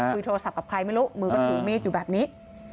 คุยโทรศัพท์กับใครไม่รู้มือก็ถือมีดอยู่แบบนี้